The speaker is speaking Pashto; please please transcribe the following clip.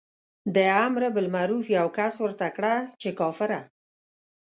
د امر بالمعروف یوه کس ورته کړه چې کافره.